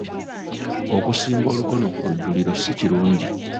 Okusimba olukono ku lujjuliro si kirungi.